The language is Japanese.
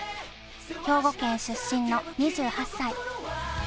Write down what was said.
兵庫県出身の２８歳。